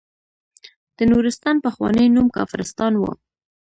د نورستان پخوانی نوم کافرستان و.